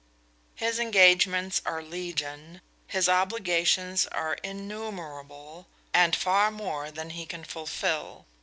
His engagements are legion, his obligations are innumerable, and far more than he can fulfill.